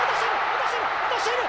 落としている！